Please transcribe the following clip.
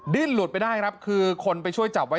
หลุดไปได้ครับคือคนไปช่วยจับไว้